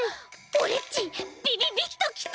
オレっちビビビッときた！